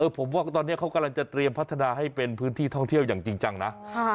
ผมว่าตอนนี้เขากำลังจะเตรียมพัฒนาให้เป็นพื้นที่ท่องเที่ยวอย่างจริงจังนะ